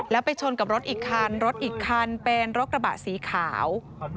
แล้วไปชนกับรถอีกคันกระบะสีขาว